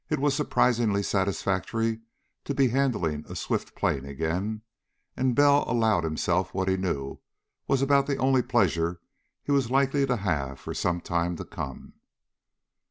It was surprisingly satisfactory to be handling a swift plane again, and Bell allowed himself what he knew was about the only pleasure he was likely to have for some time to come.